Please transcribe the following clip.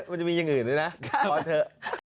มันจะมีอย่างอื่นด้วยนะขอเถอะ